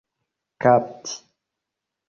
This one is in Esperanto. kapti